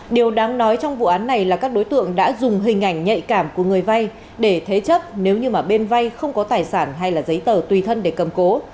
điều đáng nói trong vụ án này là các đối tượng đã dùng hình ảnh nhạy cảm của người vay để thế chấp nếu như mà bên vay không có tài sản hay là giấy tờ tùy thân để cầm cố